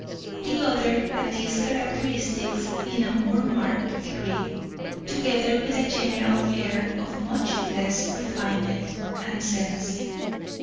The other had these characteristics in a more marked degree, together with a general air of much less refinement and sense.